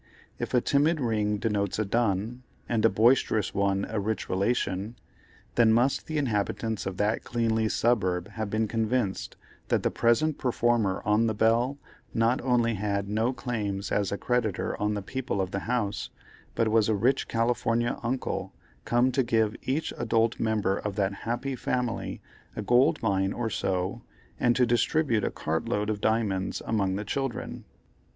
If a timid ring denotes a dun, and a boisterous one a rich relation, then must the inhabitants of that cleanly suburb have been convinced that the present performer on the bell not only had no claims as a creditor on the people of the house, but was a rich California uncle, come to give each adult member of that happy family a gold mine or so, and to distribute a cart load of diamonds among the children.